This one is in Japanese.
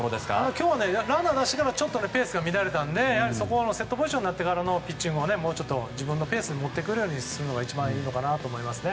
今日はランナー出してからペースが乱れたのでセットポジションになってからのピッチングをもうちょっと自分のペースで持っていくようにするのが一番いいと思いますね。